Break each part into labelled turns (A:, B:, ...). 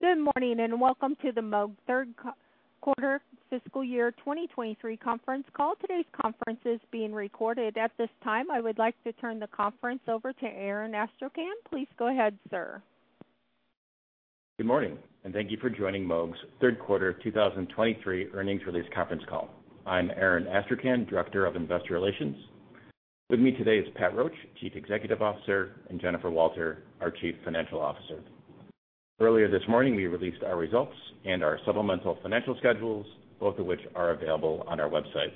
A: Good morning. Welcome to the Moog third quarter fiscal year 2023 conference call. Today's conference is being recorded. At this time, I would like to turn the conference over to Aaron Astrachan. Please go ahead, sir.
B: Good morning, thank you for joining Moog's third quarter 2023 earnings release conference call. I'm Aaron Astrachan, Director of Investor Relations. With me today is Pat Roche, Chief Executive Officer, and Jennifer Walter, our Chief Financial Officer. Earlier this morning, we released our results and our supplemental financial schedules, both of which are available on our website.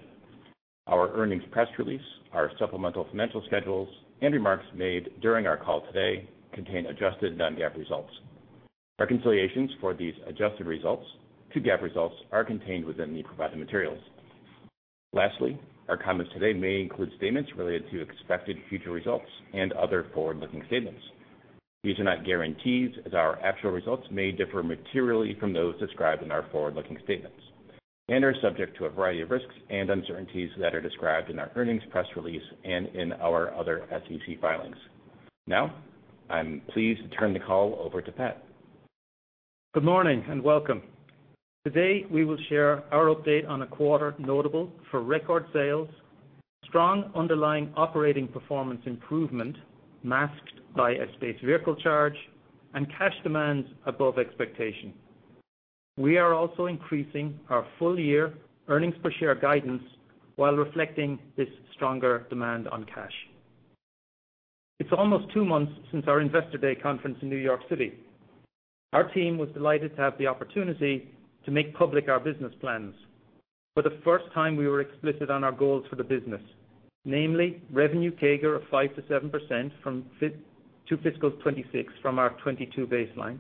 B: Our earnings press release, our supplemental financial schedules, and remarks made during our call today contain adjusted non-GAAP results. Reconciliations for these adjusted results to GAAP results are contained within the provided materials. Lastly, our comments today may include statements related to expected future results and other forward-looking statements. These are not guarantees, as our actual results may differ materially from those described in our forward-looking statements and are subject to a variety of risks and uncertainties that are described in our earnings press release and in our other SEC filings. I'm pleased to turn the call over to Pat.
C: Good morning. Welcome. Today, we will share our update on a quarter notable for record sales, strong underlying operating performance improvement masked by a space vehicle charge, and cash demands above expectation. We are also increasing our full-year earnings per share guidance while reflecting this stronger demand on cash. It's almost two months since our Investor Day conference in New York City. Our team was delighted to have the opportunity to make public our business plans. For the first time, we were explicit on our goals for the business, namely, revenue CAGR of 5%-7% from FY 2026 from our 2022 baseline,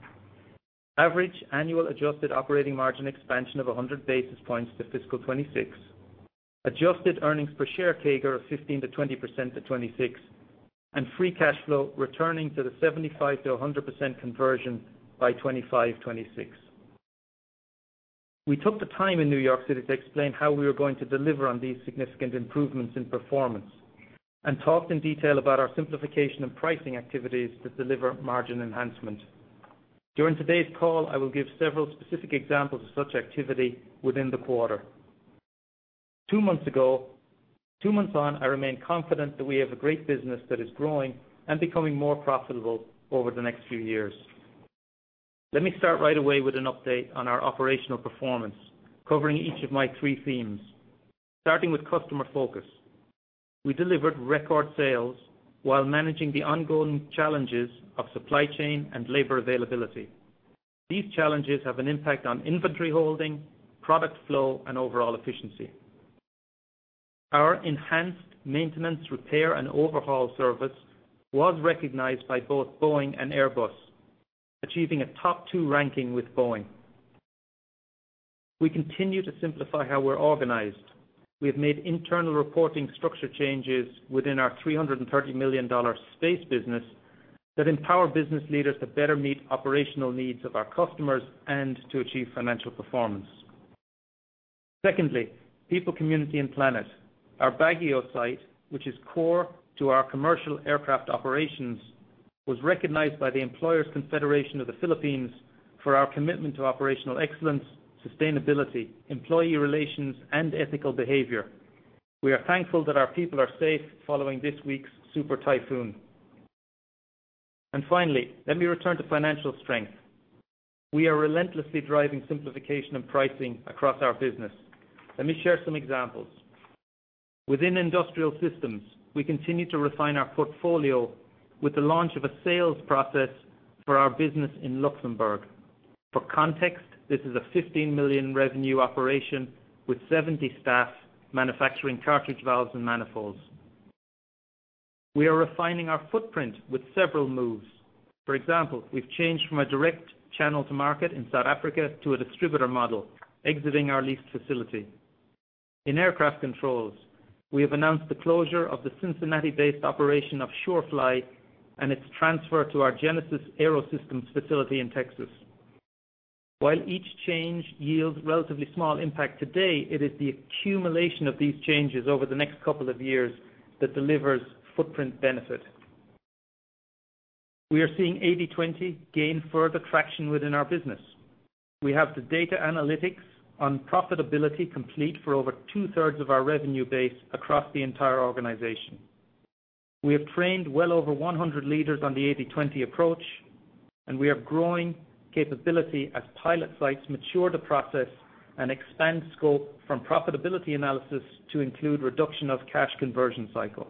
C: average annual adjusted operating margin expansion of 100 basis points to FY 2026, adjusted earnings per share CAGR of 15%-20% to 2026, and free cash flow returning to the 75%-100% conversion by 2025, 2026. We took the time in New York City to explain how we were going to deliver on these significant improvements in performance and talked in detail about our simplification and pricing activities that deliver margin enhancement. During today's call, I will give several specific examples of such activity within the quarter. Two months on, I remain confident that we have a great business that is growing and becoming more profitable over the next few years. Let me start right away with an update on our operational performance, covering each of my three themes. Starting with customer focus, we delivered record sales while managing the ongoing challenges of supply chain and labor availability. These challenges have an impact on inventory holding, product flow, and overall efficiency. Our enhanced maintenance, repair, and overhaul service was recognized by both Boeing and Airbus, achieving a top two ranking with Boeing. We continue to simplify how we're organized. We have made internal reporting structure changes within our $330 million space business that empower business leaders to better meet operational needs of our customers and to achieve financial performance. Secondly, people, community, and planet. Our Baguio site, which is core to our commercial aircraft operations, was recognized by the Employers Confederation of the Philippines for our commitment to operational excellence, sustainability, employee relations, and ethical behavior. We are thankful that our people are safe following this week's super typhoon. Finally, let me return to financial strength. We are relentlessly driving simplification and pricing across our business. Let me share some examples. Within Industrial Systems, we continue to refine our portfolio with the launch of a sales process for our business in Luxembourg. For context, this is a $15 million revenue operation with 70 staff manufacturing cartridge valves and manifolds. We are refining our footprint with several moves. For example, we've changed from a direct channel to market in South Africa to a distributor model, exiting our leased facility. In Aircraft Controls, we have announced the closure of the Cincinnati-based operation of SureFly and its transfer to our Genesys Aerosystems facility in Texas. While each change yields relatively small impact today, it is the accumulation of these changes over the next couple of years that delivers footprint benefit. We are seeing 80/20 gain further traction within our business. We have the data analytics on profitability complete for over 2/3 of our revenue base across the entire organization. We have trained well over 100 leaders on the 80/20 approach, and we are growing capability as pilot sites mature the process and expand scope from profitability analysis to include reduction of cash conversion cycle.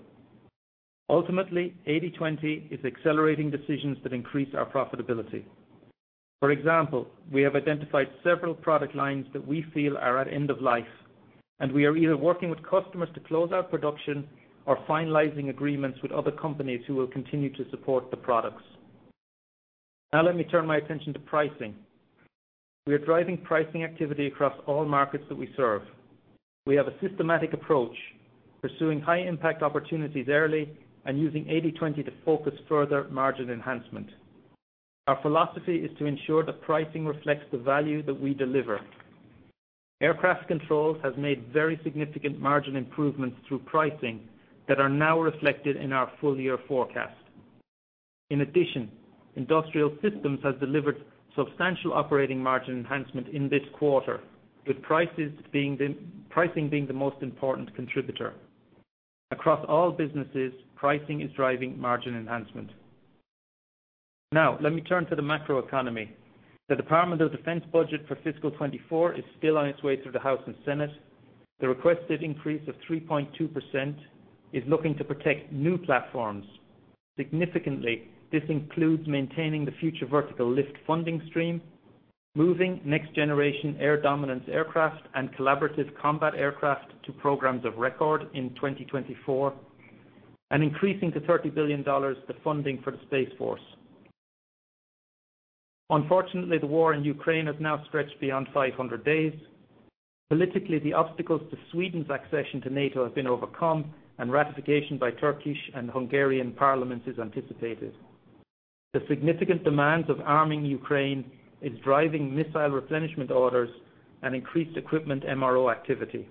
C: Ultimately, 80/20 is accelerating decisions that increase our profitability. For example, we have identified several product lines that we feel are at end of life, and we are either working with customers to close out production or finalizing agreements with other companies who will continue to support the products. Now let me turn my attention to pricing. We are driving pricing activity across all markets that we serve. We have a systematic approach, pursuing high-impact opportunities early and using 80/20 to focus further margin enhancement. Our philosophy is to ensure that pricing reflects the value that we deliver. Aircraft Controls has made very significant margin improvements through pricing that are now reflected in our full year forecast. In addition, Industrial Systems has delivered substantial operating margin enhancement in this quarter, with pricing being the most important contributor. Across all businesses, pricing is driving margin enhancement. Now, let me turn to the macroeconomy. The Department of Defense budget for fiscal 2024 is still on its way through the House and Senate. The requested increase of 3.2% is looking to protect new platforms. Significantly, this includes maintaining the Future Vertical Lift funding stream, moving Next Generation Air Dominance aircraft and Collaborative Combat Aircraft to programs of record in 2024, and increasing to $30 billion the funding for the Space Force. Unfortunately, the war in Ukraine has now stretched beyond 500 days. Politically, the obstacles to Sweden's accession to NATO have been overcome, and ratification by Turkish and Hungarian parliaments is anticipated. The significant demands of arming Ukraine is driving missile replenishment orders and increased equipment MRO activity.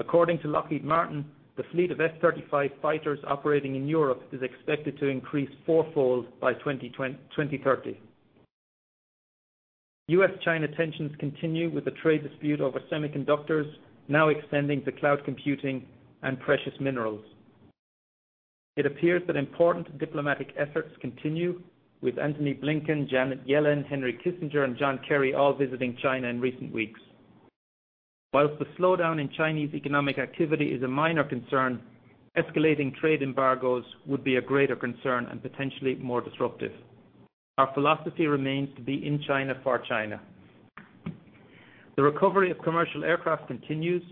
C: According to Lockheed Martin, the fleet of F-35 fighters operating in Europe is expected to increase fourfold by 2030. U.S.-China tensions continue, with a trade dispute over semiconductors now extending to cloud computing and precious minerals. It appears that important diplomatic efforts continue, with Antony Blinken, Janet Yellen, Henry Kissinger, and John Kerry all visiting China in recent weeks. While the slowdown in Chinese economic activity is a minor concern, escalating trade embargoes would be a greater concern and potentially more disruptive. Our philosophy remains to be in China for China. The recovery of commercial aircraft continues.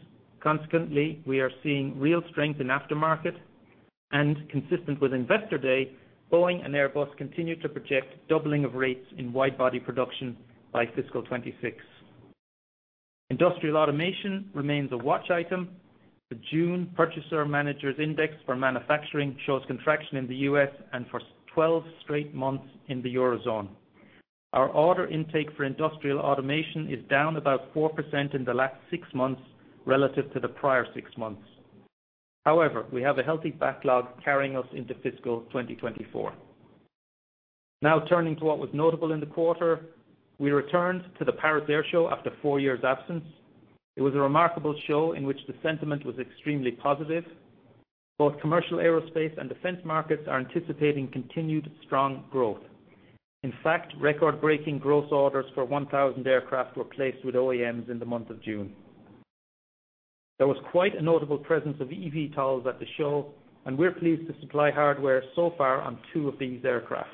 C: Consequently, we are seeing real strength in aftermarket, and consistent with Investor Day, Boeing and Airbus continue to project doubling of rates in wide-body production by fiscal 2026. Industrial automation remains a watch item. The June Purchasing Managers' Index for manufacturing shows contraction in the U.S. and for 12 straight months in the Eurozone. Our order intake for industrial automation is down about 4% in the last six months relative to the prior six months. However, we have a healthy backlog carrying us into fiscal 2024. Now, turning to what was notable in the quarter, we returned to the Paris Air Show after 4 years' absence. It was a remarkable show in which the sentiment was extremely positive. Both commercial aerospace and defense markets are anticipating continued strong growth. In fact, record-breaking gross orders for 1,000 aircraft were placed with OEMs in the month of June. There was quite a notable presence of eVTOLs at the show, and we're pleased to supply hardware so far on two of these aircraft.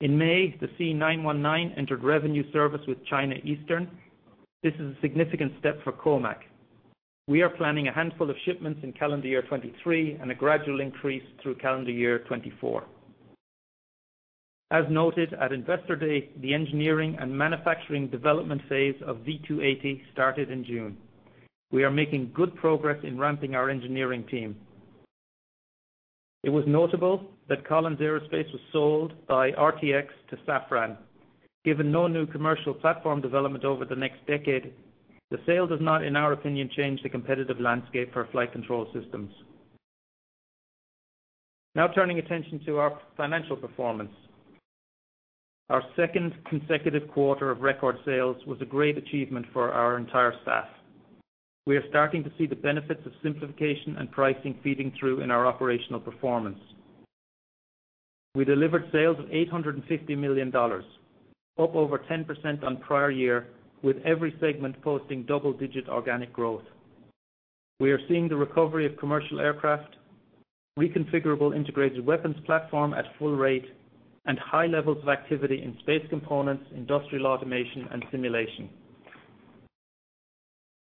C: In May, the C919 entered revenue service with China Eastern. This is a significant step for COMAC. We are planning a handful of shipments in calendar year 2023 and a gradual increase through calendar year 2024. As noted at Investor Day, the engineering and manufacturing development phase of V-280 started in June. We are making good progress in ramping our engineering team. It was notable that Collins Aerospace was sold by RTX to Safran. Given no new commercial platform development over the next decade, the sale does not, in our opinion, change the competitive landscape for flight control systems. Now turning attention to our financial performance. Our second consecutive quarter of record sales was a great achievement for our entire staff. We are starting to see the benefits of simplification and pricing feeding through in our operational performance. We delivered sales of $850 million, up over 10% on prior year, with every segment posting double-digit organic growth. We are seeing the recovery of commercial aircraft, Reconfigurable Integrated-weapons Platform at full rate, and high levels of activity in space components, industrial automation, and simulation.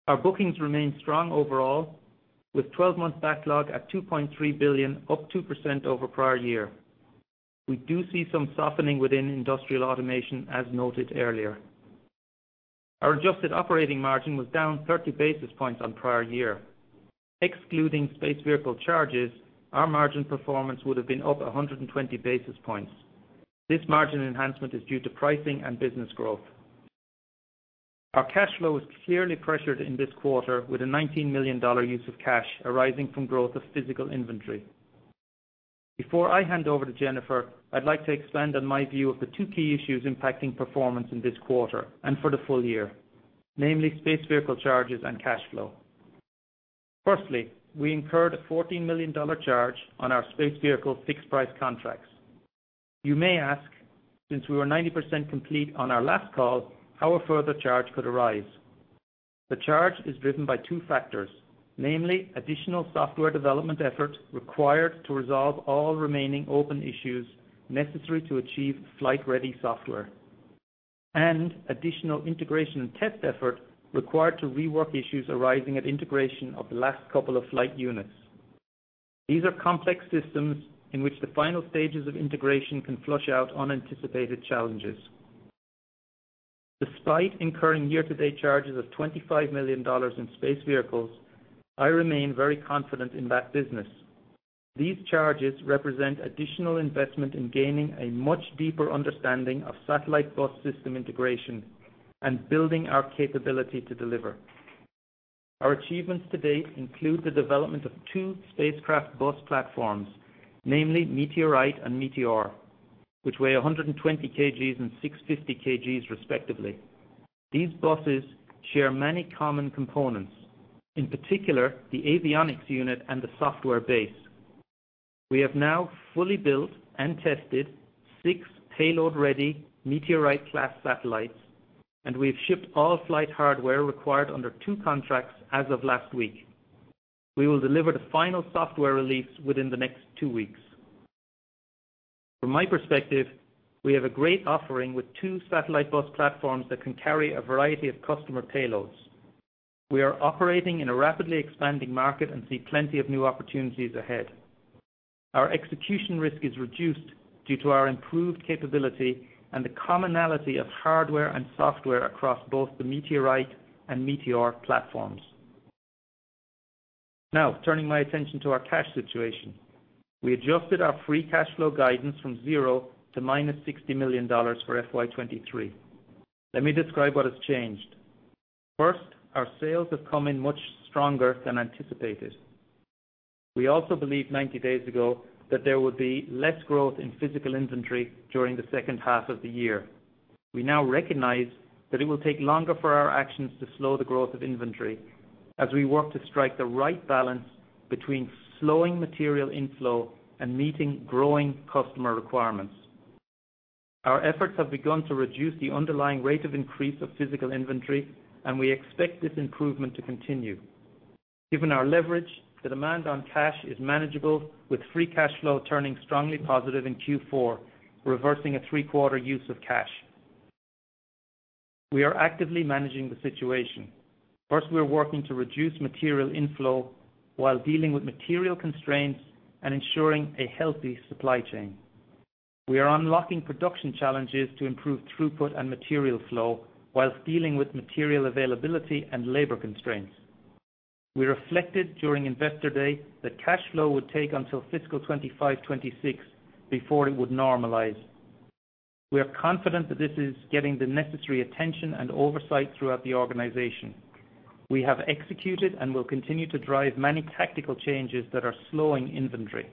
C: Our bookings remain strong overall, with 12-month backlog at $2.3 billion, up 2% over prior year. We do see some softening within industrial automation, as noted earlier. Our adjusted operating margin was down 30 basis points on prior year. Excluding space vehicle charges, our margin performance would have been up 120 basis points. This margin enhancement is due to pricing and business growth. Our cash flow was clearly pressured in this quarter with a $19 million use of cash arising from growth of physical inventory. Before I hand over to Jennifer, I'd like to expand on my view of the two key issues impacting performance in this quarter and for the full year, namely space vehicle charges and cash flow. Firstly, we incurred a $14 million charge on our space vehicle fixed-price contracts. You may ask, since we were 90% complete on our last call, how a further charge could arise? The charge is driven by two factors, namely, additional software development effort required to resolve all remaining open issues necessary to achieve flight-ready software, and additional integration and test effort required to rework issues arising at integration of the last couple of flight units. These are complex systems in which the final stages of integration can flush out unanticipated challenges. Despite incurring year-to-date charges of $25 million in space vehicles, I remain very confident in that business. These charges represent additional investment in gaining a much deeper understanding of satellite bus system integration and building our capability to deliver. Our achievements to date include the development of two spacecraft bus platforms, namely METEORITE and METEOR, which weigh 120 kgs and 650 kgs, respectively. These buses share many common components, in particular, the avionics unit and the software base. We have now fully built and tested six payload-ready METEORITE-class satellites, and we've shipped all flight hardware required under two contracts as of last week. We will deliver the final software release within the next two weeks. From my perspective, we have a great offering with two satellite bus platforms that can carry a variety of customer payloads. We are operating in a rapidly expanding market and see plenty of new opportunities ahead. Our execution risk is reduced due to our improved capability and the commonality of hardware and software across both the METEORITE and METEOR platforms. Now, turning my attention to our cash situation. We adjusted our free cash flow guidance from $0 to -$60 million for FY 2023. Let me describe what has changed. First, our sales have come in much stronger than anticipated. We also believed 90 days ago that there would be less growth in physical inventory during the second half of the year. We now recognize that it will take longer for our actions to slow the growth of inventory as we work to strike the right balance between slowing material inflow and meeting growing customer requirements. Our efforts have begun to reduce the underlying rate of increase of physical inventory, and we expect this improvement to continue. Given our leverage, the demand on cash is manageable, with free cash flow turning strongly positive in Q4, reversing a three-quarter use of cash. We are actively managing the situation. First, we are working to reduce material inflow while dealing with material constraints and ensuring a healthy supply chain. We are unlocking production challenges to improve throughput and material flow whilst dealing with material availability and labor constraints. We reflected during Investor Day that cash flow would take until fiscal 2025, 2026 before it would normalize. We are confident that this is getting the necessary attention and oversight throughout the organization. We have executed and will continue to drive many tactical changes that are slowing inventory.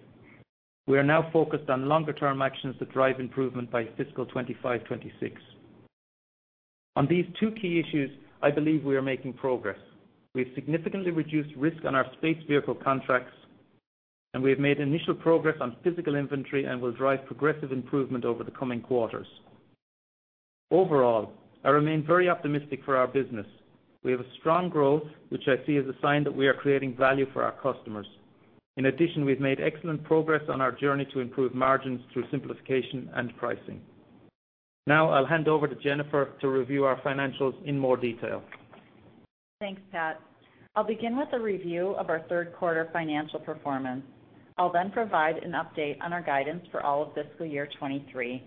C: We are now focused on longer-term actions to drive improvement by fiscal 2025, 2026. On these two key issues, I believe we are making progress. We've significantly reduced risk on our space vehicle contracts, and we have made initial progress on physical inventory and will drive progressive improvement over the coming quarters. Overall, I remain very optimistic for our business. We have a strong growth, which I see as a sign that we are creating value for our customers. In addition, we've made excellent progress on our journey to improve margins through simplification and pricing. Now, I'll hand over to Jennifer to review our financials in more detail.
D: Thanks, Pat. I'll begin with a review of our third quarter financial performance. I'll then provide an update on our guidance for all of fiscal year 2023.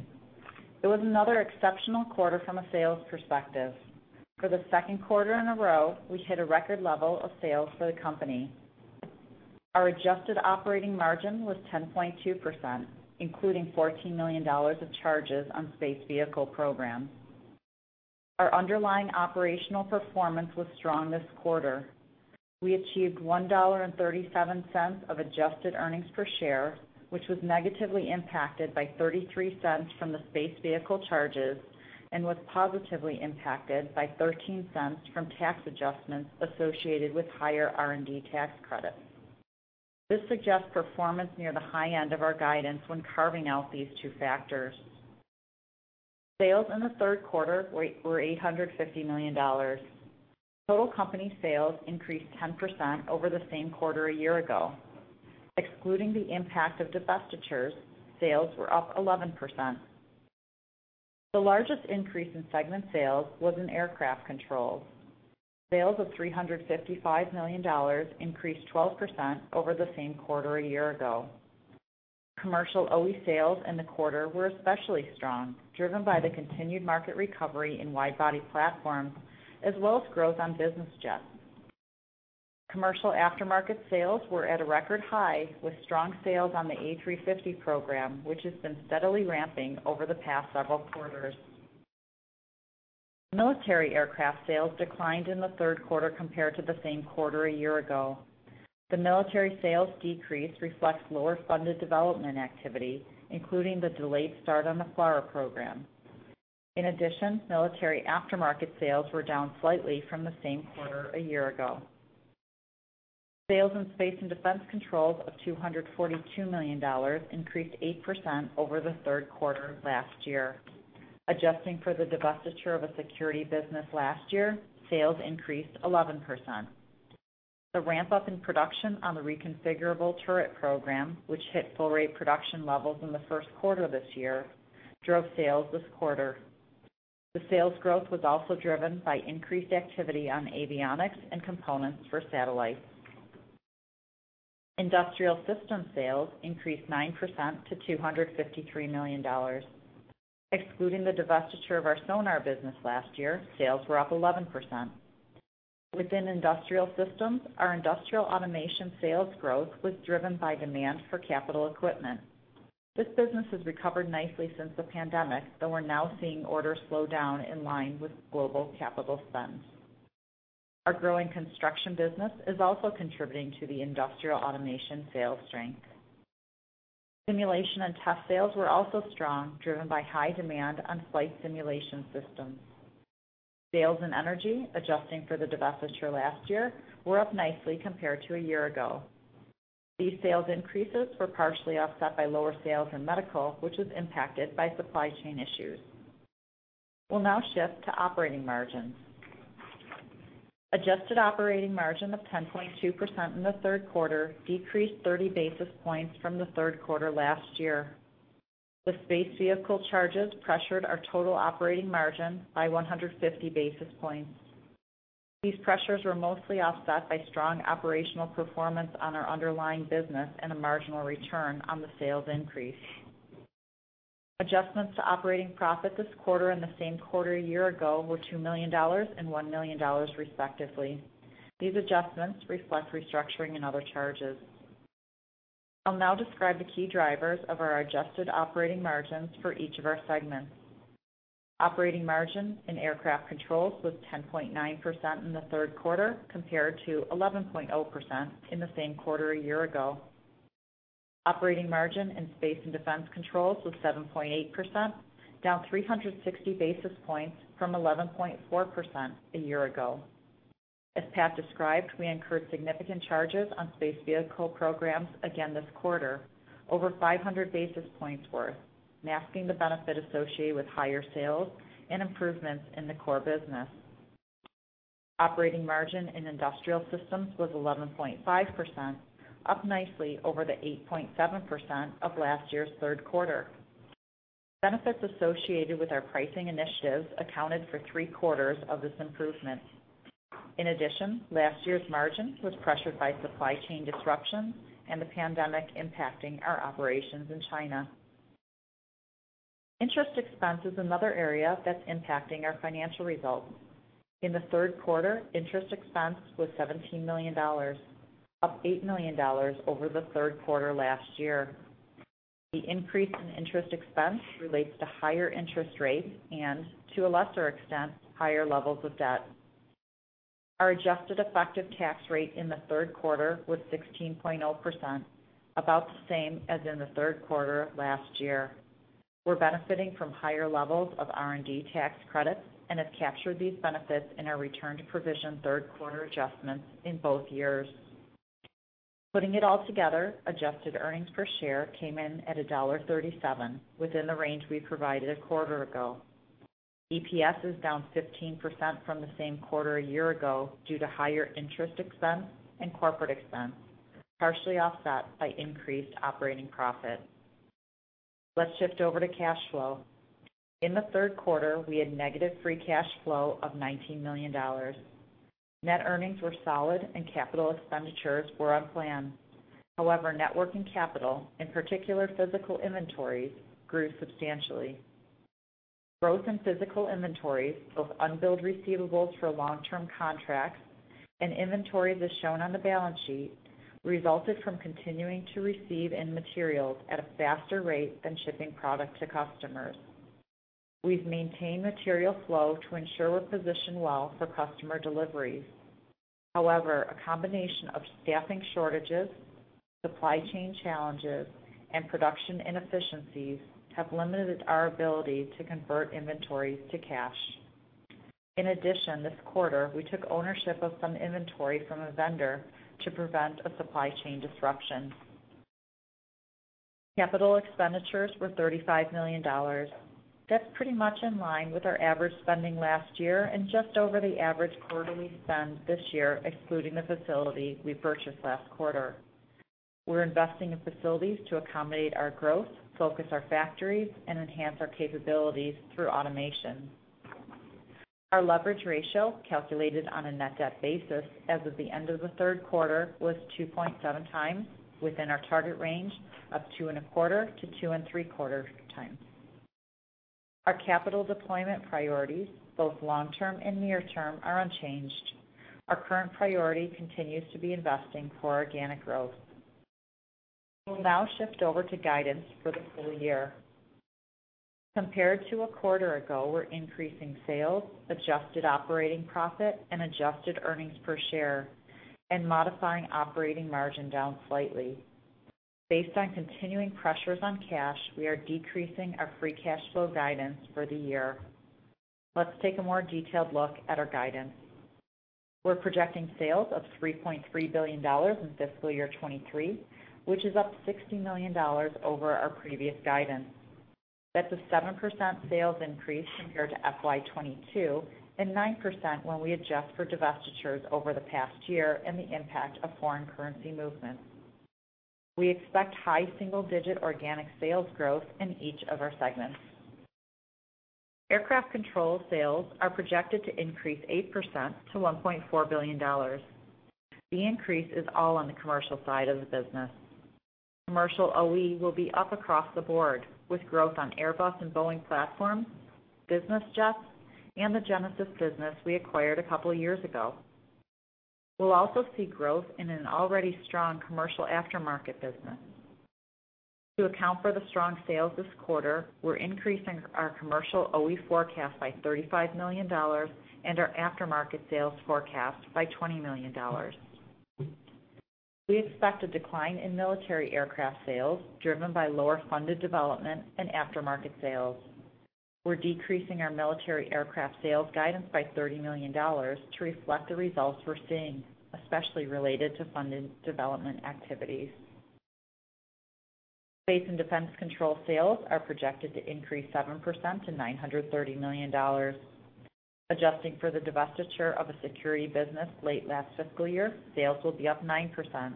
D: It was another exceptional quarter from a sales perspective. For the second quarter in a row, we hit a record level of sales for the company. Our adjusted operating margin was 10.2%, including $14 million of charges on space vehicle programs. Our underlying operational performance was strong this quarter. We achieved $1.37 of adjusted earnings per share, which was negatively impacted by $0.33 from the space vehicle charges and was positively impacted by $0.13 from tax adjustments associated with higher R&D tax credits. This suggests performance near the high end of our guidance when carving out these two factors. Sales in the third quarter were $850 million. Total company sales increased 10% over the same quarter a year ago. Excluding the impact of divestitures, sales were up 11%. The largest increase in segment sales was in Aircraft Controls. Sales of $355 million increased 12% over the same quarter a year ago. Commercial OE sales in the quarter were especially strong, driven by the continued market recovery in wide-body platforms, as well as growth on business jets. Commercial aftermarket sales were at a record high, with strong sales on the A350 program, which has been steadily ramping over the past several quarters. Military aircraft sales declined in the third quarter compared to the same quarter a year ago. The military sales decrease reflects lower funded development activity, including the delayed start on the FLRAA program. In addition, military aftermarket sales were down slightly from the same quarter a year ago. Sales in Space and Defense Controls of $242 million increased 8% over the third quarter of last year. Adjusting for the divestiture of a security business last year, sales increased 11%. The ramp-up in production on the reconfigurable turret program, which hit full rate production levels in the first quarter this year, drove sales this quarter. The sales growth was also driven by increased activity on avionics and components for satellites. Industrial Systems sales increased 9% to $253 million. Excluding the divestiture of our sonar business last year, sales were up 11%. Within Industrial Systems, our industrial automation sales growth was driven by demand for capital equipment. This business has recovered nicely since the pandemic, though we're now seeing orders slow down in line with global capital spends. Our growing construction business is also contributing to the industrial automation sales strength. Simulation and test sales were also strong, driven by high demand on flight simulation systems. Sales and energy, adjusting for the divestiture last year, were up nicely compared to a year ago. These sales increases were partially offset by lower sales in medical, which was impacted by supply chain issues. We'll now shift to operating margins. Adjusted operating margin of 10.2% in the third quarter decreased 30 basis points from the third quarter last year. The space vehicle charges pressured our total operating margin by 150 basis points. These pressures were mostly offset by strong operational performance on our underlying business and a marginal return on the sales increase. Adjustments to operating profit this quarter and the same quarter a year ago were $2 million and $1 million, respectively. These adjustments reflect restructuring and other charges. I'll now describe the key drivers of our adjusted operating margins for each of our segments. Operating margin in Aircraft Controls was 10.9% in the third quarter, compared to 11.0% in the same quarter a year ago. Operating margin in Space and Defense Controls was 7.8%, down 360 basis points from 11.4% a year ago. As Pat described, we incurred significant charges on space vehicle programs again this quarter, over 500 basis points worth, masking the benefit associated with higher sales and improvements in the core business. Operating margin in Industrial Systems was 11.5%, up nicely over the 8.7% of last year's third quarter. Benefits associated with our pricing initiatives accounted for three-quarters of this improvement. In addition, last year's margin was pressured by supply chain disruptions and the pandemic impacting our operations in China. Interest expense is another area that's impacting our financial results. In the third quarter, interest expense was $17 million, up $8 million over the third quarter last year. The increase in interest expense relates to higher interest rates and, to a lesser extent, higher levels of debt. Our adjusted effective tax rate in the third quarter was 16.0%, about the same as in the third quarter of last year. We're benefiting from higher levels of R&D tax credits and have captured these benefits in our return to provision third quarter adjustments in both years. Putting it all together, adjusted earnings per share came in at $1.37, within the range we provided a quarter ago. EPS is down 15% from the same quarter a year ago due to higher interest expense and corporate expense, partially offset by increased operating profit. Let's shift over to cash flow. In the third quarter, we had negative free cash flow of $19 million. Net earnings were solid and capital expenditures were on plan. However, networking capital, in particular physical inventories, grew substantially. Growth in physical inventories, both unbilled receivables for long-term contracts and inventories as shown on the balance sheet, resulted from continuing to receive in materials at a faster rate than shipping product to customers. We've maintained material flow to ensure we're positioned well for customer deliveries. However, a combination of staffing shortages, supply chain challenges, and production inefficiencies have limited our ability to convert inventories to cash. In addition, this quarter, we took ownership of some inventory from a vendor to prevent a supply chain disruption. Capital expenditures were $35 million. That's pretty much in line with our average spending last year and just over the average quarterly spend this year, excluding the facility we purchased last quarter. We're investing in facilities to accommodate our growth, focus our factories, and enhance our capabilities through automation. Our leverage ratio, calculated on a net debt basis as of the end of the third quarter, was 2.7x within our target range of 2.25-2.75x. Our capital deployment priorities, both long-term and near-term, are unchanged. Our current priority continues to be investing for organic growth. We'll now shift over to guidance for the full year. Compared to a quarter ago, we're increasing sales, adjusted operating profit, and adjusted earnings per share, and modifying operating margin down slightly. Based on continuing pressures on cash, we are decreasing our free cash flow guidance for the year. Let's take a more detailed look at our guidance. We're projecting sales of $3.3 billion in fiscal year 2023, which is up $60 million over our previous guidance. That's a 7% sales increase compared to FY 2022, and 9% when we adjust for divestitures over the past year and the impact of foreign currency movements. We expect high single-digit organic sales growth in each of our segments. Aircraft Controls sales are projected to increase 8% to $1.4 billion. The increase is all on the commercial side of the business. Commercial OE will be up across the board, with growth on Airbus and Boeing platforms, business jets, and the Genesys business we acquired a couple of years ago. We'll also see growth in an already strong commercial aftermarket business. To account for the strong sales this quarter, we're increasing our commercial OE forecast by $35 million and our aftermarket sales forecast by $20 million. We expect a decline in military aircraft sales, driven by lower funded development and aftermarket sales. We're decreasing our military aircraft sales guidance by $30 million to reflect the results we're seeing, especially related to funded development activities. Space and Defense Controls sales are projected to increase 7% to $930 million. Adjusting for the divestiture of a security business late last fiscal year, sales will be up 9%.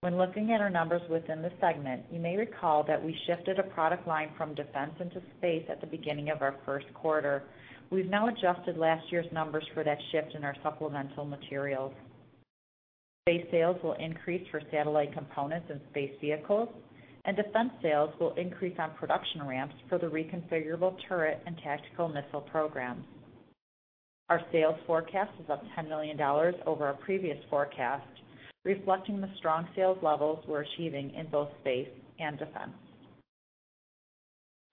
D: When looking at our numbers within the segment, you may recall that we shifted a product line from defense into space at the beginning of our first quarter. We've now adjusted last year's numbers for that shift in our supplemental materials. Space sales will increase for satellite components and space vehicles, and defense sales will increase on production ramps for the reconfigurable turret and tactical missile programs. Our sales forecast is up $10 million over our previous forecast, reflecting the strong sales levels we're achieving in both space and defense.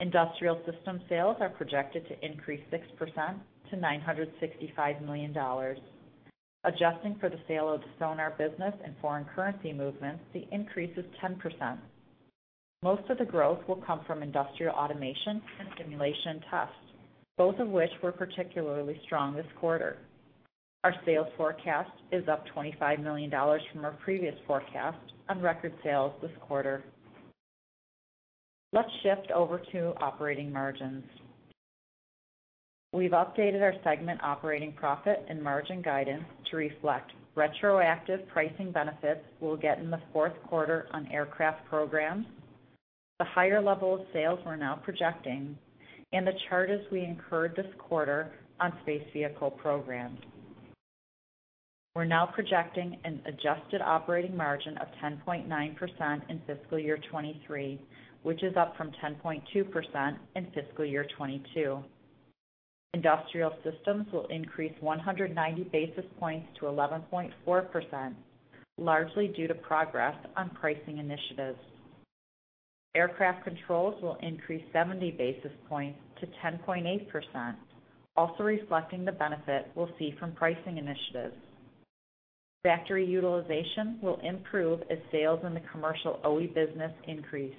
D: Industrial Systems sales are projected to increase 6% to $965 million. Adjusting for the sale of the sonar business and foreign currency movements, the increase is 10%. Most of the growth will come from industrial automation and simulation tests, both of which were particularly strong this quarter. Our sales forecast is up $25 million from our previous forecast on record sales this quarter. Let's shift over to operating margins. We've updated our segment operating profit and margin guidance to reflect retroactive pricing benefits we'll get in the fourth quarter on aircraft programs, the higher level of sales we're now projecting, and the charges we incurred this quarter on space vehicle programs. We're now projecting an adjusted operating margin of 10.9% in fiscal year 2023, which is up from 10.2% in fiscal year 2022. Industrial Systems will increase 190 basis points to 11.4%, largely due to progress on pricing initiatives. Aircraft Controls will increase 70 basis points to 10.8%, also reflecting the benefit we'll see from pricing initiatives. Factory utilization will improve as sales in the commercial OE business increase.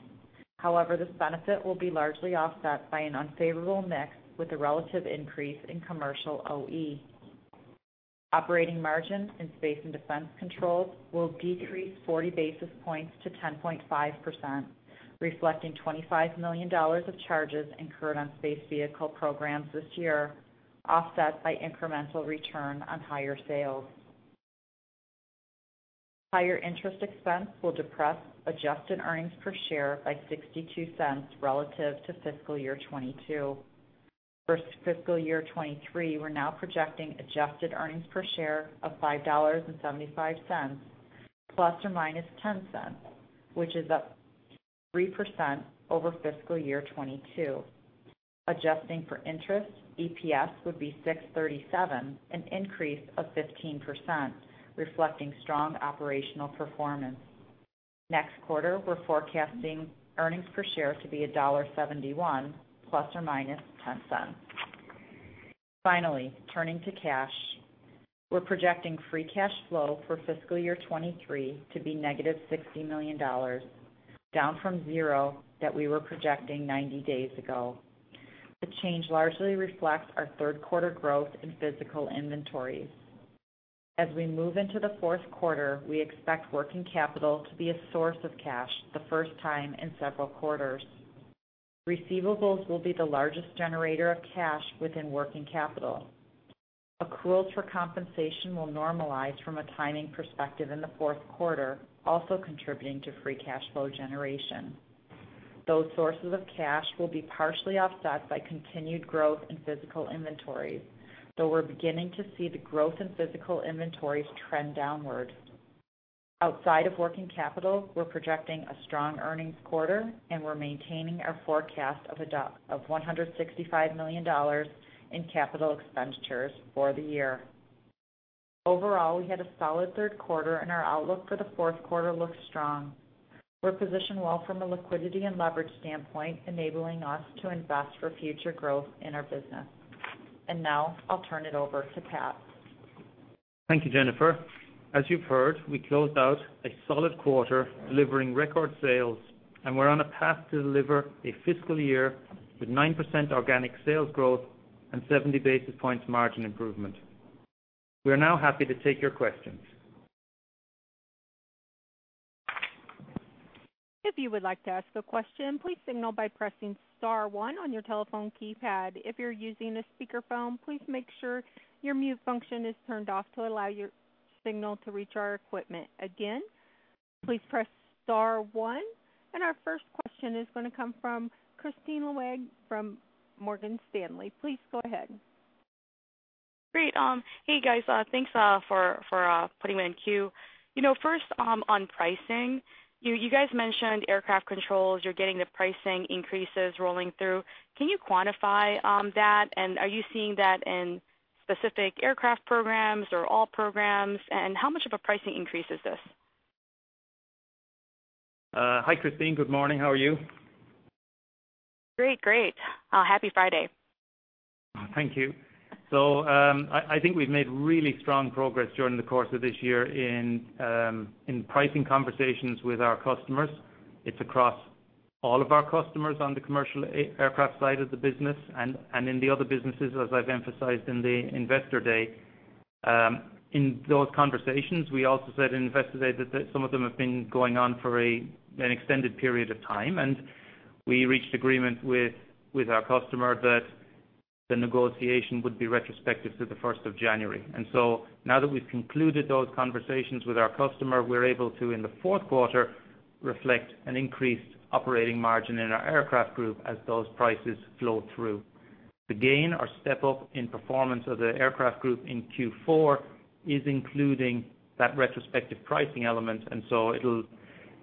D: However, this benefit will be largely offset by an unfavorable mix with a relative increase in commercial OE. Operating margin in Space and Defense Controls will decrease 40 basis points to 10.5%, reflecting $25 million of charges incurred on space vehicle programs this year, offset by incremental return on higher sales. Higher interest expense will depress adjusted earnings per share by $0.62 relative to fiscal year 2022. For fiscal year 2023, we're now projecting adjusted earnings per share of $5.75, ±$0.10, which is up 3% over fiscal year 2022. Adjusting for interest, EPS would be $6.37, an increase of 15%, reflecting strong operational performance. Next quarter, we're forecasting earnings per share to be $1.71, ±$0.10. Finally, turning to cash. We're projecting free cash flow for fiscal year 2023 to be -$60 million, down from $0 that we were projecting 90 days ago. The change largely reflects our third quarter growth in physical inventories. As we move into the fourth quarter, we expect working capital to be a source of cash for the first time in several quarters. Receivables will be the largest generator of cash within working capital. Accruals for compensation will normalize from a timing perspective in the fourth quarter, also contributing to free cash flow generation. Those sources of cash will be partially offset by continued growth in physical inventories, though we're beginning to see the growth in physical inventories trend downward. Outside of working capital, we're projecting a strong earnings quarter, and we're maintaining our forecast of of $165 million in capital expenditures for the year. Overall, we had a solid third quarter, and our outlook for the fourth quarter looks strong. We're positioned well from a liquidity and leverage standpoint, enabling us to invest for future growth in our business. Now I'll turn it over to Pat.
C: Thank you, Jennifer. As you've heard, we closed out a solid quarter, delivering record sales, and we're on a path to deliver a fiscal year with 9% organic sales growth and 70 basis points margin improvement. We are now happy to take your questions.
A: If you would like to ask a question, please signal by pressing star one on your telephone keypad. If you're using a speakerphone, please make sure your mute function is turned off to allow your signal to reach our equipment. Again, please press star one. Our first question is going to come from Kristine Liwag from Morgan Stanley. Please go ahead.
E: Great. Hey, guys, thanks for putting me in queue. You know, first, on pricing, you, you guys mentioned Aircraft Controls, you're getting the pricing increases rolling through. Can you quantify that? Are you seeing that in specific aircraft programs or all programs, and how much of a pricing increase is this?
C: Hi, Kristine. Good morning. How are you?
E: Great. Great. Happy Friday.
C: Thank you. I think we've made really strong progress during the course of this year in pricing conversations with our customers. It's across all of our customers on the commercial aircraft side of the business and in the other businesses, as I've emphasized in the Investor Day. In those conversations, we also said in Investor Day that some of them have been going on for an extended period of time, and we reached agreement with our customer that the negotiation would be retrospective to the 1st of January. Now that we've concluded those conversations with our customer, we're able to, in the fourth quarter, reflect an increased operating margin in our aircraft group as those prices flow through. The gain or step-up in performance of the Aircraft Group in Q4 is including that retrospective pricing element. It'll,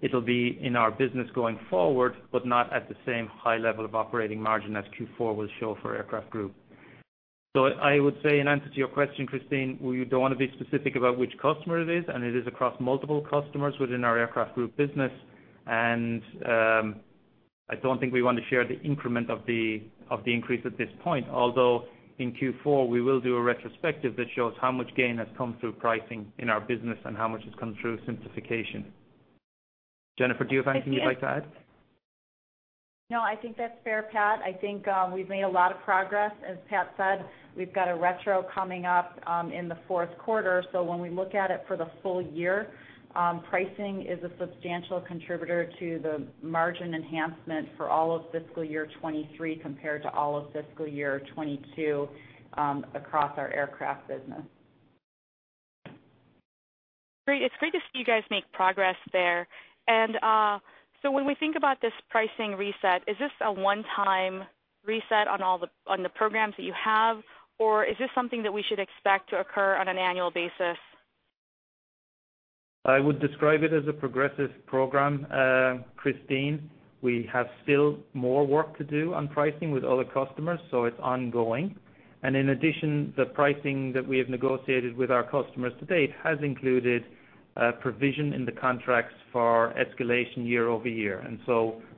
C: it'll be in our business going forward, but not at the same high level of operating margin as Q4 will show for Aircraft Group. I would say in answer to your question, Kristine, we don't want to be specific about which customer it is, and it is across multiple customers within our Aircraft Group business. I don't think we want to share the increment of the, of the increase at this point, although in Q4, we will do a retrospective that shows how much gain has come through pricing in our business and how much has come through simplification. Jennifer, do you have anything you'd like to add?
D: No, I think that's fair, Pat. I think, we've made a lot of progress. As Pat said, we've got a retro coming up, in the fourth quarter. When we look at it for the full year, pricing is a substantial contributor to the margin enhancement for all of fiscal year 2023 compared to all of fiscal year 2022, across our aircraft business.
E: Great. It's great to see you guys make progress there. When we think about this pricing reset, is this a one-time reset on the programs that you have? Or is this something that we should expect to occur on an annual basis?
C: I would describe it as a progressive program, Kristine. We have still more work to do on pricing with other customers, so it's ongoing. In addition, the pricing that we have negotiated with our customers to date has included a provision in the contracts for escalation year over year.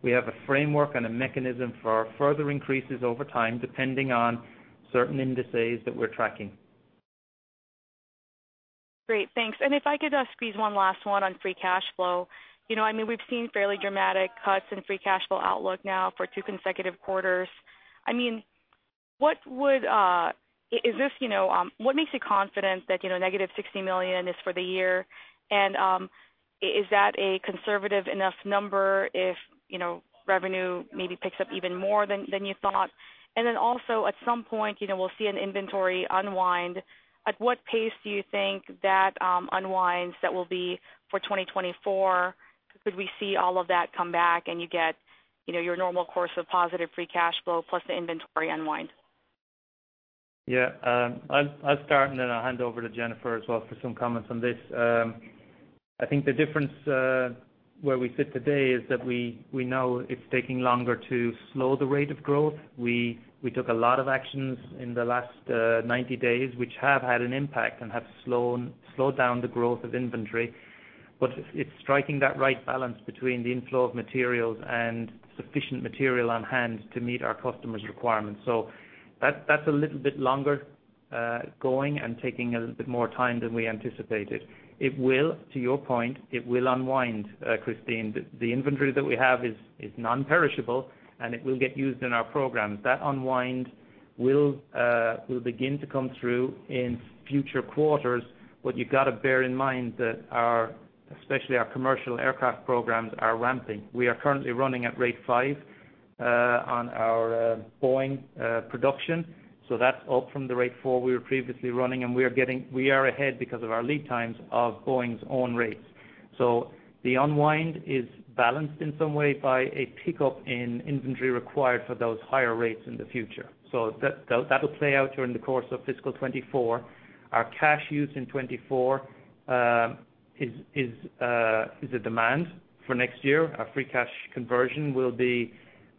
C: We have a framework and a mechanism for further increases over time, depending on certain indices that we're tracking.
E: Great, thanks. If I could squeeze one last one on free cash flow. You know, I mean, we've seen fairly dramatic cuts in free cash flow outlook now for two consecutive quarters. I mean, what would, is this, you know, what makes you confident that, you know, -$60 million is for the year? Is that a conservative enough number if, you know, revenue maybe picks up even more than you thought? Then also, at some point, you know, we'll see an inventory unwind. At what pace do you think that unwinds that will be for 2024? Could we see all of that come back and you get, you know, your normal course of positive free cash flow plus the inventory unwind?
C: Yeah. I'll, I'll start and then I'll hand over to Jennifer as well for some comments on this. I think the difference, where we sit today is that we, we know it's taking longer to slow the rate of growth. We, we took a lot of actions in the last 90 days, which have had an impact and have slowed, slowed down the growth of inventory. It's striking that right balance between the inflow of materials and sufficient material on hand to meet our customers' requirements. That's a little bit longer, going and taking a little bit more time than we anticipated. It will, to your point, it will unwind, Kristine. The, the inventory that we have is, is non-perishable, and it will get used in our programs. That unwind will begin to come through in future quarters. You've got to bear in mind that our, especially our commercial aircraft programs, are ramping. We are currently running at rate five on our Boeing production. That's up from the rate four we were previously running, and we are ahead because of our lead times of Boeing's own rates. The unwind is balanced in some way by a pickup in inventory required for those higher rates in the future. That, that will play out during the course of fiscal 2024. Our cash use in 2024 is, is a demand for next year. Our free cash conversion will be,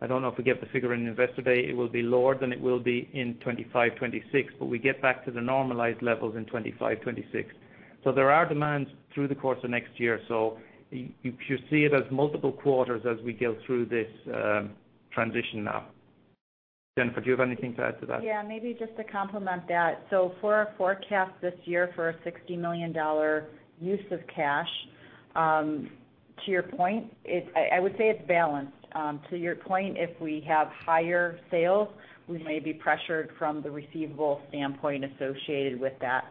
C: I don't know if we get the figure in Investor Day, it will be lower than it will be in 2025, 2026, but we get back to the normalized levels in 2025, 2026. There are demands through the course of next year. You should see it as multiple quarters as we go through this transition now. Jennifer, do you have anything to add to that?
D: Maybe just to complement that. For our forecast this year, for a $60 million use of cash, to your point, it's. I would say it's balanced. To your point, if we have higher sales, we may be pressured from the receivable standpoint associated with that.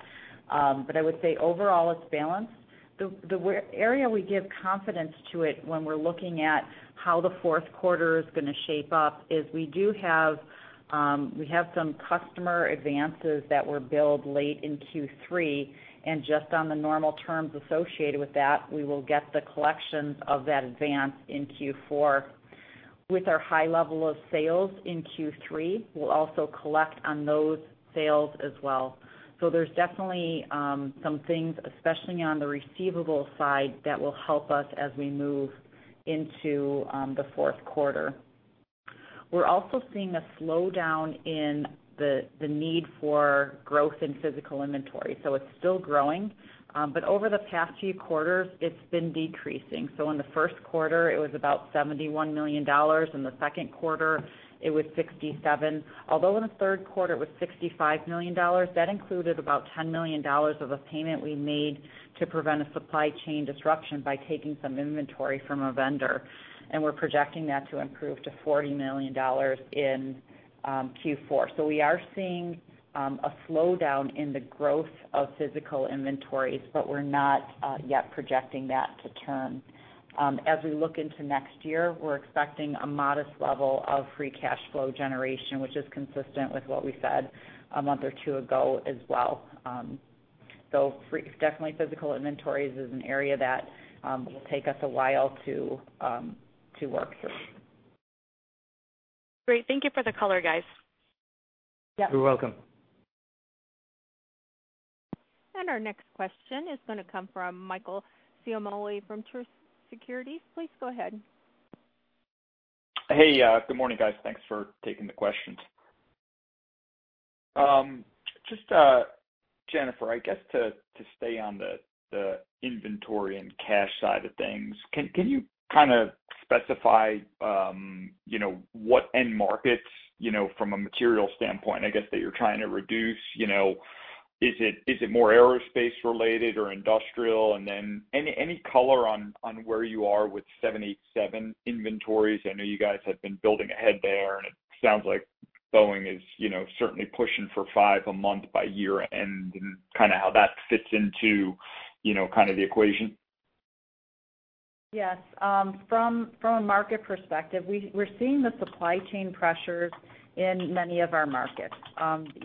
D: But I would say overall, it's balanced. The area we give confidence to it when we're looking at how the fourth quarter is going to shape up is we do have, we have some customer advances that were billed late in Q3, and just on the normal terms associated with that, we will get the collections of that advance in Q4. With our high level of sales in Q3, we'll also collect on those sales as well. There's definitely some things, especially on the receivable side, that will help us as we move into the fourth quarter. We're also seeing a slowdown in the, the need for growth in physical inventory. It's still growing, but over the past few quarters, it's been decreasing. In the first quarter, it was about $71 million, in the second quarter, it was $67 million. Although in the third quarter, it was $65 million, that included about $10 million of a payment we made to prevent a supply chain disruption by taking some inventory from a vendor, and we're projecting that to improve to $40 million in Q4. We are seeing a slowdown in the growth of physical inventories, but we're not yet projecting that to turn. As we look into next year, we're expecting a modest level of free cash flow generation, which is consistent with what we said a month or two ago as well. Definitely physical inventories is an area that will take us a while to work through.
E: Great. Thank you for the color, guys.
D: Yep.
C: You're welcome.
A: Our next question is going to come from Michael Ciarmoli from Truist Securities. Please go ahead.
F: Hey, good morning, guys. Thanks for taking the questions. Just, Jennifer, I guess, to, to stay on the, the inventory and cash side of things, can, can you kind of specify, you know, what end markets, you know, from a material standpoint, I guess, that you're trying to reduce? You know, is it, is it more aerospace related or industrial? Then any, any color on, on where you are with 787 inventories? I know you guys have been building ahead there, and it sounds like Boeing is, you know, certainly pushing for five a month by year-end, and kind of how that fits into, you know, kind of the equation.
D: Yes. From a market perspective, we're seeing the supply chain pressures in many of our markets.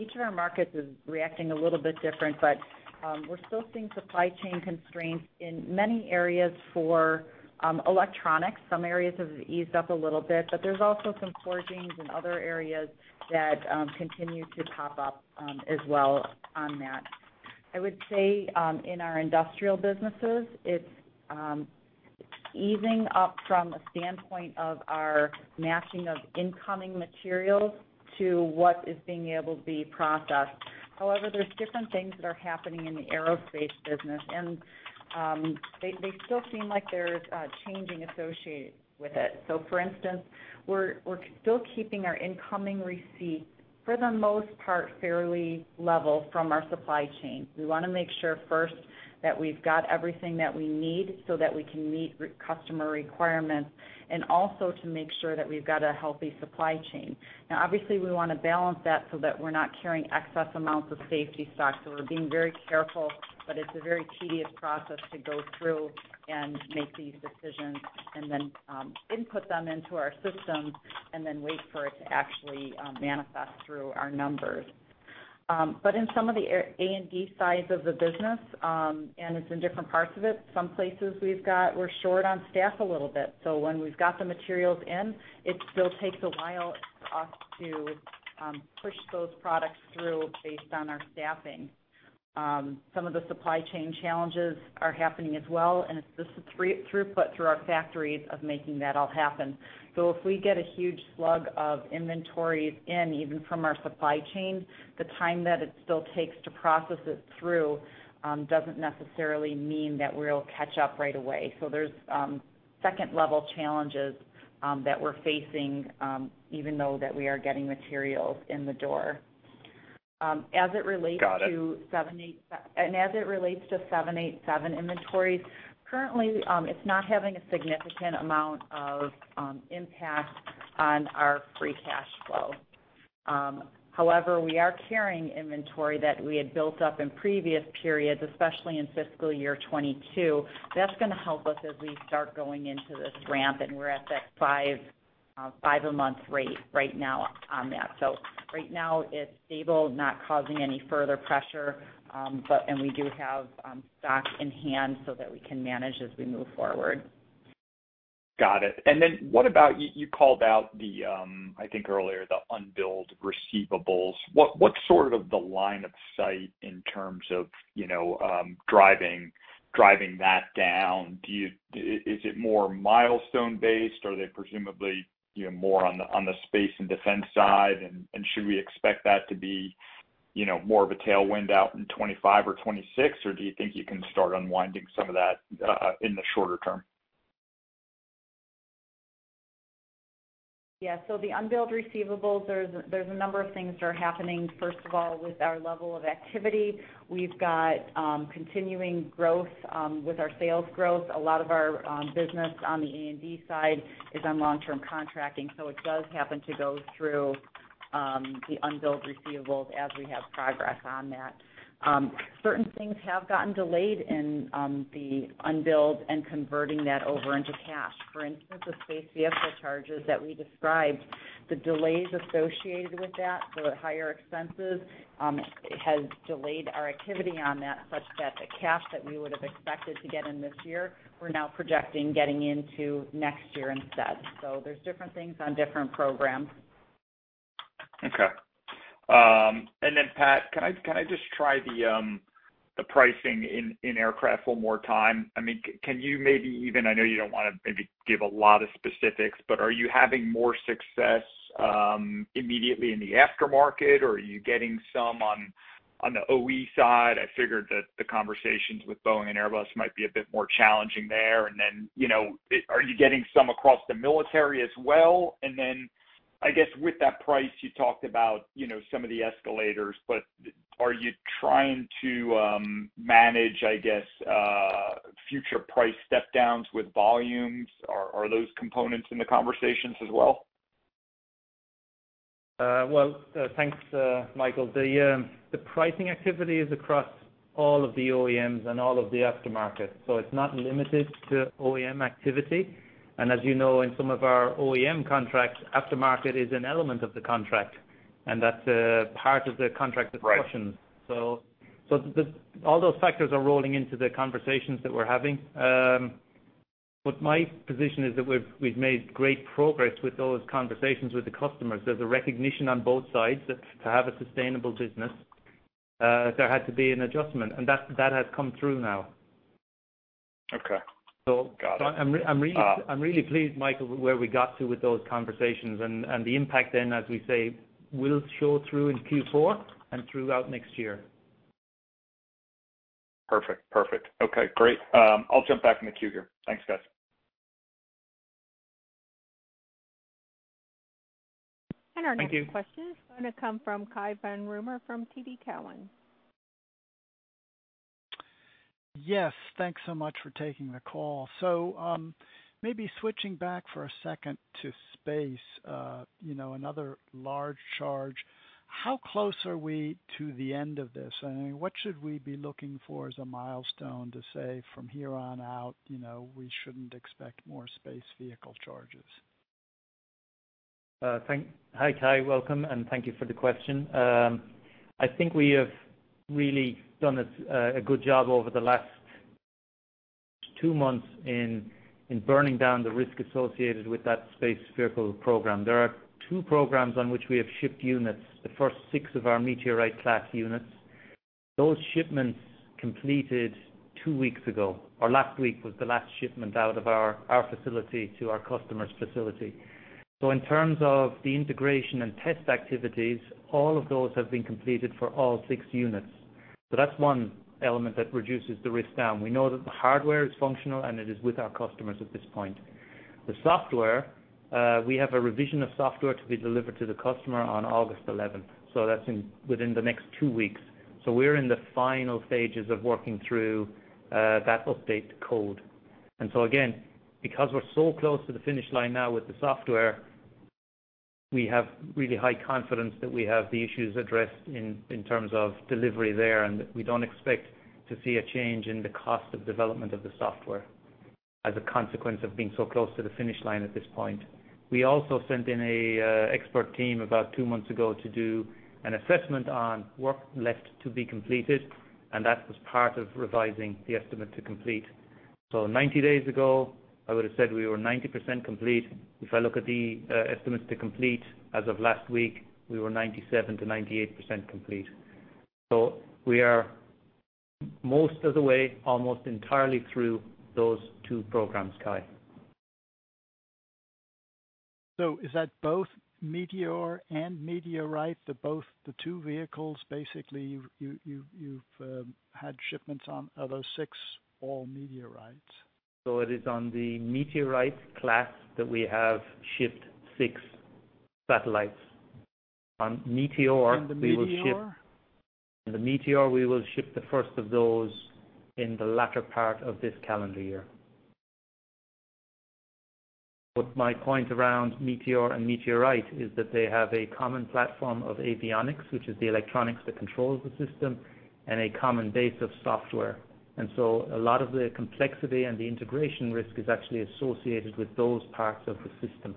D: Each of our markets is reacting a little bit different, but we're still seeing supply chain constraints in many areas for electronics. Some areas have eased up a little bit, but there's also some forgings in other areas that continue to pop up as well on that. I would say, in our industrial businesses, it's easing up from a standpoint of our matching of incoming materials to what is being able to be processed. However, there's different things that are happening in the aerospace business, and they, they still seem like there's a changing associated with it. For instance, we're, we're still keeping our incoming receipts, for the most part, fairly level from our supply chain. We want to make sure first that we've got everything that we need so that we can meet customer requirements, and also to make sure that we've got a healthy supply chain. Obviously, we want to balance that so that we're not carrying excess amounts of safety stock, so we're being very careful, but it's a very tedious process to go through and make these decisions, and then input them into our systems, and then wait for it to actually manifest through our numbers. In some of the A&D sides of the business, and it's in different parts of it, some places we're short on staff a little bit. When we've got the materials in, it still takes a while for us to push those products through based on our staffing. Some of the supply chain challenges are happening as well, and it's just the throughput through our factories of making that all happen. If we get a huge slug of inventories in, even from our supply chain, the time that it still takes to process it through, doesn't necessarily mean that we'll catch up right away. There's second-level challenges that we're facing even though that we are getting materials in the door. As it relates to.
F: Got it.
D: As it relates to 787 inventories, currently, it's not having a significant amount of impact on our free cash flow. However, we are carrying inventory that we had built up in previous periods, especially in fiscal year 2022. That's going to help us as we start going into this ramp, and we're at that five, five-a-month rate right now on that. Right now it's stable, not causing any further pressure, and we do have stock in hand so that we can manage as we move forward.
F: Got it. What about, you called out the, I think earlier, the unbilled receivables. What's sort of the line of sight in terms of, you know, driving, driving that down? Do you, is it more milestone based, or are they presumably, you know, more on the, on the Space and Defense Controls side? Should we expect that to be, you know, more of a tailwind out in 2025 or 2026, or do you think you can start unwinding some of that, in the shorter term?
D: Yeah. The unbilled receivables, there's a number of things that are happening. First of all, with our level of activity, we've got continuing growth with our sales growth. A lot of our business on the A&D side is on long-term contracting, so it does happen to go through the unbilled receivables as we have progress on that. Certain things have gotten delayed in the unbilled and converting that over into cash. For instance, the space vehicle charges that we described, the delays associated with that, so the higher expenses has delayed our activity on that, such that the cash that we would have expected to get in this year, we're now projecting getting into next year instead. There's different things on different programs.
F: Okay. Pat, can I, can I just try the, the pricing in, in aircraft one more time? I mean, can you maybe even I know you don't want to maybe give a lot of specifics, but are you having more success, immediately in the aftermarket, or are you getting some on, on the OE side? I figured that the conversations with Boeing and Airbus might be a bit more challenging there. You know, are you getting some across the military as well? I guess with that price, you talked about, you know, some of the escalators, but are you trying to, manage, I guess, future price step downs with volumes? Are, are those components in the conversations as well?
C: Well, thanks, Michael. The pricing activity is across all of the OEMs and all of the aftermarket, so it's not limited to OEM activity. As you know, in some of our OEM contracts, aftermarket is an element of the contract, and that's a part of the contract discussions.
F: Right.
C: All those factors are rolling into the conversations that we're having. My position is that we've, we've made great progress with those conversations with the customers. There's a recognition on both sides that to have a sustainable business, there had to be an adjustment, and that, that has come through now.
F: Okay.
C: So-
F: Got it.
C: I'm really, I'm really pleased, Michael, with where we got to with those conversations and, and the impact then, as we say, will show through in Q4 and throughout next year.
F: Perfect. Perfect. Okay, great. I'll jump back in the queue here. Thanks, guys.
C: Thank you
A: Our next question is going to come from Cai von Rumohr, from TD Cowen.
G: Yes, thanks so much for taking the call. Maybe switching back for a second to space, you know, another large charge. How close are we to the end of this? What should we be looking for as a milestone to say from here on out, you know, we shouldn't expect more space vehicle charges?
C: Thank-- hi, Cai, welcome, and thank you for the question. I think we have really done a good job over the last two months in burning down the risk associated with that space vehicle program. There are two programs on which we have shipped units, the first six of our METEORITE class units. Those shipments completed two weeks ago, or last week was the last shipment out of our facility to our customer's facility. In terms of the integration and test activities, all of those have been completed for all six units. That's one element that reduces the risk down. We know that the hardware is functional and it is with our customers at this point. The software, we have a revision of software to be delivered to the customer on August 11th. That's in, within the next two weeks. We're in the final stages of working through that update code. Again, because we're so close to the finish line now with the software, we have really high confidence that we have the issues addressed in, in terms of delivery there, and we don't expect to see a change in the cost of development of the software as a consequence of being so close to the finish line at this point. We also sent in a expert team about two months ago to do an assessment on work left to be completed, and that was part of revising the estimate to complete. 90 days ago, I would have said we were 90% complete. If I look at the estimates to complete as of last week, we were 97%-98% complete. We are most of the way, almost entirely through those two programs, Cai.
G: Is that both METEOR and METEORITE, the two vehicles, basically, you've had shipments on, are those six all METEORITEs?
C: It is on the METEORITE class that we have shipped six satellites. On METEOR, we will ship-
G: On the METEOR?
C: On the METEOR, we will ship the first of those in the latter part of this calendar year. My point around METEOR and METEORITE is that they have a common platform of avionics, which is the electronics that controls the system, and a common base of software. A lot of the complexity and the integration risk is actually associated with those parts of the system.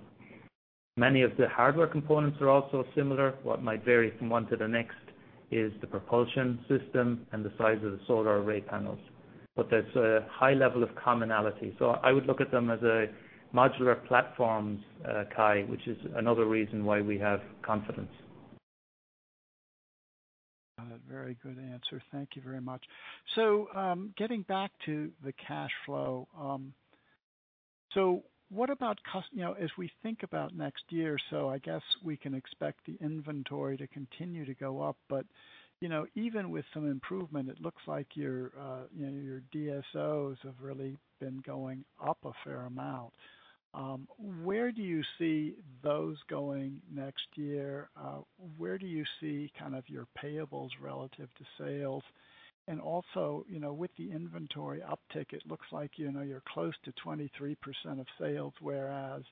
C: Many of the hardware components are also similar. What might vary from one to the next is the propulsion system and the size of the solar array panels. There's a high level of commonality, so I would look at them as a modular platforms, Cai, which is another reason why we have confidence.
G: Very good answer. Thank you very much. Getting back to the cash flow, you know, as we think about next year, I guess we can expect the inventory to continue to go up, but, you know, even with some improvement, it looks like your, you know, your DSOs have really been going up a fair amount. Where do you see those going next year? Where do you see kind of your payables relative to sales? Also, you know, with the inventory uptick, it looks like, you know, you're close to 23% of sales, whereas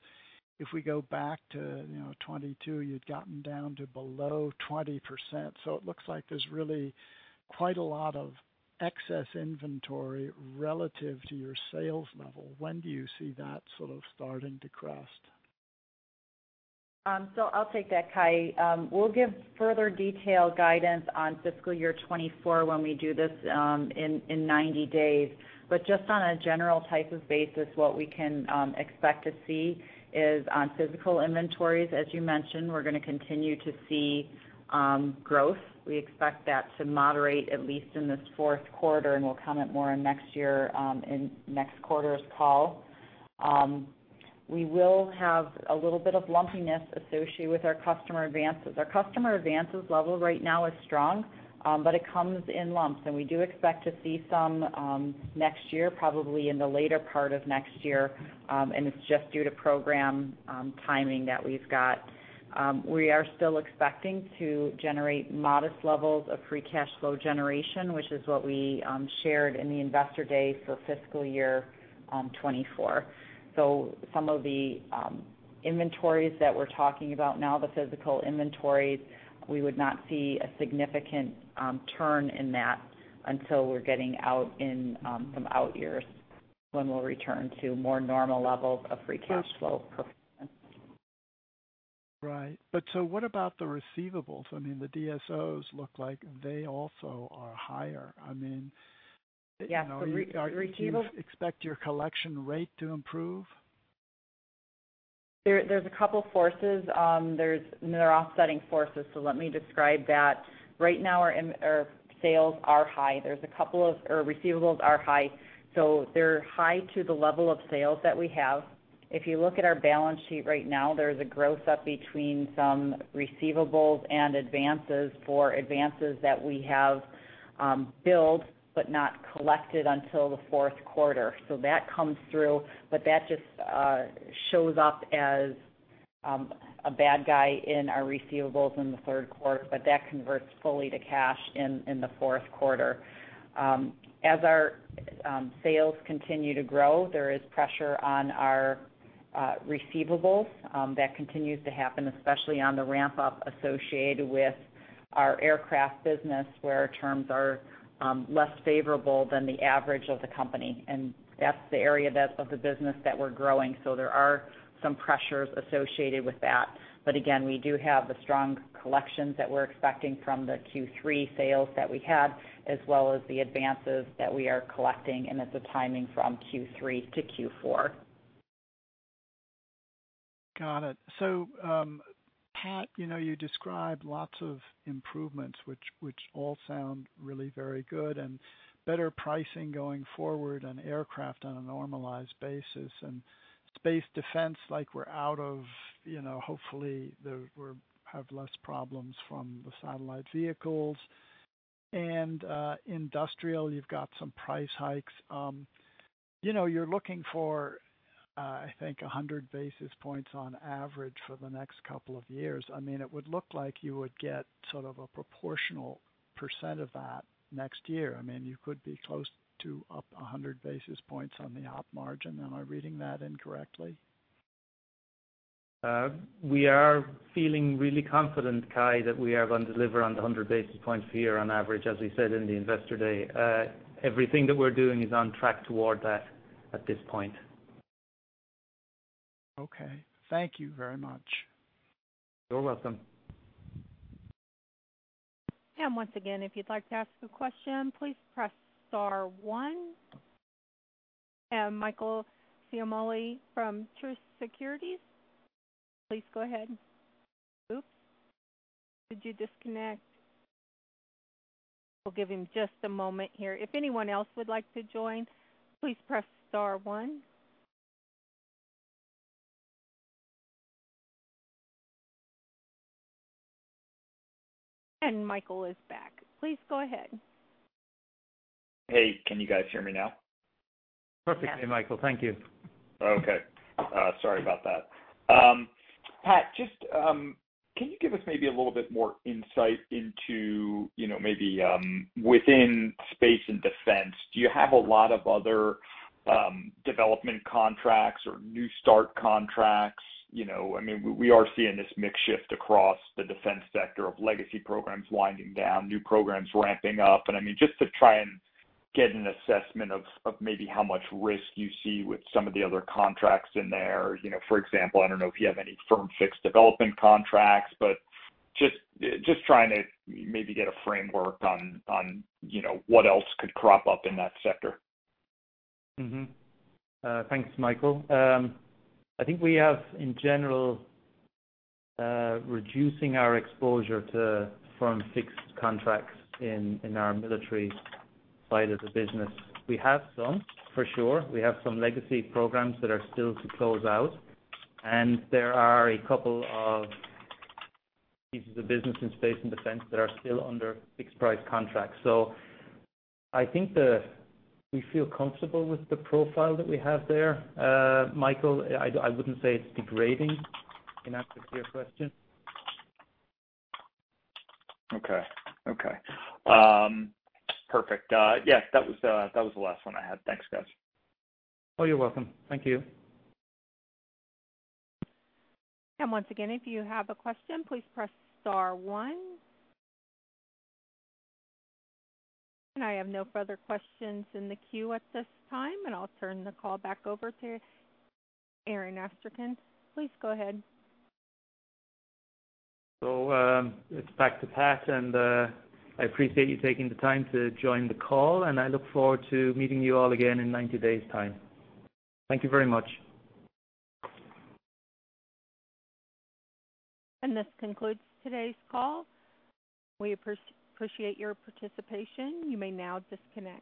G: if we go back to, you know, 2022, you'd gotten down to below 20%. It looks like there's really quite a lot of excess inventory relative to your sales level. When do you see that sort of starting to crest?
D: I'll take that, Cai. We'll give further detailed guidance on fiscal year 2024 when we do this in 90 days. Just on a general type of basis, what we can expect to see is on physical inventories, as you mentioned, we're gonna continue to see growth. We expect that to moderate, at least in this fourth quarter, and we'll comment more on next year in next quarter's call. We will have a little bit of lumpiness associated with our customer advances. Our customer advances level right now is strong, but it comes in lumps, and we do expect to see some next year, probably in the later part of next year. It's just due to program timing that we've got. We are still expecting to generate modest levels of free cash flow generation, which is what we shared in the Investor Day for fiscal year 2024. Some of the inventories that we're talking about now, the physical inventories, we would not see a significant turn in that until we're getting out in some out years, when we'll return to more normal levels of free cash flow performance.
G: Right. What about the receivables? I mean, the DSOs look like they also are higher. I mean, you know.
D: Yes, the receivables-
G: Do you expect your collection rate to improve?
D: There, there's a couple forces. There's and they're offsetting forces, so let me describe that. Right now, our sales are high. There's a couple of or receivables are high, so they're high to the level of sales that we have. If you look at our balance sheet right now, there's a growth up between some receivables and advances for advances that we have billed, but not collected until the fourth quarter. That comes through. That just shows up as a bad guy in our receivables in the third quarter. That converts fully to cash in, in the fourth quarter. As our sales continue to grow, there is pressure on our receivables. That continues to happen, especially on the ramp-up associated with our aircraft business, where our terms are less favorable than the average of the company. That's the area that, of the business that we're growing, so there are some pressures associated with that. Again, we do have the strong collections that we're expecting from the Q3 sales that we had, as well as the advances that we are collecting, and it's a timing from Q3 to Q4.
G: Got it. Pat, you know, you described lots of improvements, which, which all sound really very good and better pricing going forward on aircraft on a normalized basis. Space defense, like we're out of, you know, hopefully we're have less problems from the satellite vehicles. Industrial, you've got some price hikes. You know, you're looking for, I think, 100 basis points on average for the next couple of years. I mean, it would look like you would get sort of a proportional percent of that next year. I mean, you could be close to up 100 basis points on the op margin. Am I reading that incorrectly?
C: We are feeling really confident, Cai, that we are going to deliver on the 100 basis points per year on average, as we said in the Investor Day. Everything that we're doing is on track toward that at this point.
G: Okay. Thank you very much.
C: You're welcome.
A: Once again, if you'd like to ask a question, please press star one. Michael Ciarmoli from Truist Securities, please go ahead. Oops, did you disconnect? We'll give him just a moment here. If anyone else would like to join, please press star one. Michael is back. Please go ahead.
F: Hey, can you guys hear me now?
C: Perfectly, Michael. Thank you.
F: Okay, sorry about that. Pat, just, can you give us maybe a little bit more insight into, you know, maybe, within Space and Defense, do you have a lot of other, development contracts or new start contracts? You know, I mean, we, we are seeing this mix shift across the defense sector of legacy programs winding down, new programs ramping up. I mean, just to try and get an assessment of, of maybe how much risk you see with some of the other contracts in there. You know, for example, I don't know if you have any firm fixed development contracts, but just, trying to maybe get a framework on, on, you know, what else could crop up in that sector.
C: Mm-hmm. Thanks, Michael. I think we have, in general, reducing our exposure to firm fixed contracts in, in our military side of the business. We have some, for sure. We have some legacy programs that are still to close out, and there are a couple of pieces of business in space and defense that are still under fixed price contracts. I think we feel comfortable with the profile that we have there, Michael. I, I wouldn't say it's degrading, in answer to your question.
F: Okay, okay. Perfect. Yes, that was, that was the last one I had. Thanks, guys.
C: Oh, you're welcome. Thank you.
A: Once again, if you have a question, please press star one. I have no further questions in the queue at this time, and I'll turn the call back over to Aaron Astrachan. Please go ahead.
C: It's back to Pat, and I appreciate you taking the time to join the call, and I look forward to meeting you all again in 90 days' time. Thank you very much.
A: This concludes today's call. We appreciate your participation. You may now disconnect.